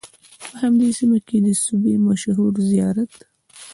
په همدې سیمه کې د سوبۍ مشهور زیارت